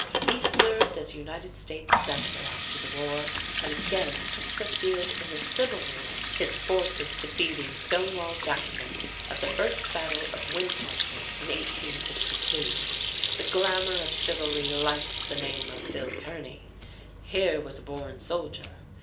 He served as United States Senator after the war and again took the field in the Civil War, his forces defeating Stonewall Jackson at the first battle of Winchester in 1862. The glamour of chivalry lights the name of Phil Kearney. Here was a born soldier.